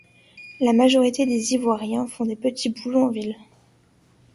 La majorité des Ivoiriens font des petits boulots en ville.